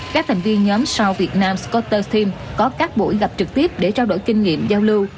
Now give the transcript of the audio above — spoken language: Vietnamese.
các thành viên nhóm south vietnam scooter team có các buổi gặp trực tiếp để trao đổi kinh nghiệm giao lưu